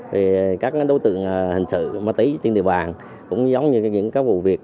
về các đối tượng hình sự ma túy trên địa bàn cũng giống như những các vụ việc